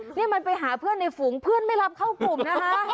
นี่มันไปหาเพื่อนในฝูงเพื่อนไม่รับเข้ากลุ่มนะคะ